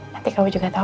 nanti kamu juga tahu